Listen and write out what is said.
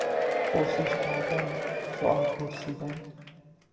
پرسش کردن، سئوال پرسیدن